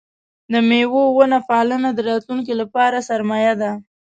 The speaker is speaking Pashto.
د مېوو ونه پالنه د راتلونکي لپاره سرمایه ده.